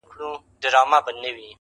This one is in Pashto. د سپي دا وصیت مي هم پوره کومه,